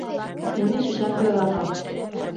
Һине шишәмбе оҙатам